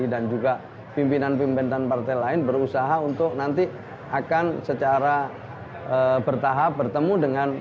dan juga pimpinan pimpinan partai lain berusaha untuk nanti akan secara bertahap bertemu dengan